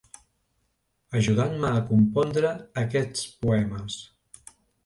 Ajudant-me a compondre aquests poemes.